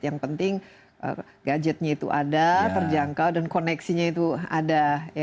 yang penting gadgetnya itu ada terjangkau dan koneksinya itu ada